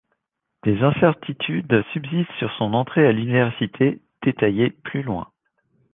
Des incertitudes subsistent sur son entrée à l'université, détaillées plus loin.